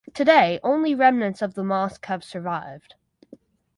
Today only remnants of the mosque have survived.